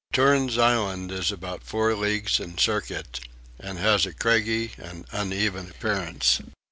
Toorns island is about four leagues in circuit and has a craggy and uneven appearance.